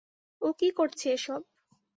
ও কী করছে এসব?